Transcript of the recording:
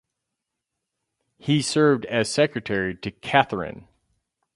He served as secretary to Catherine.